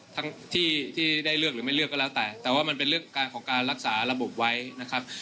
ทั้งที่ได้เลือกหรือไม่เลือกก็แล้วแต่แต่ว่ามันเป็นเรื่องการของการรักษาระบบไว้นะครับ